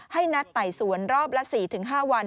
ให้นัดไต่สวนรอบละ๔๕วัน